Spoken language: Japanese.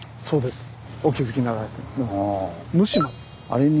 そうです。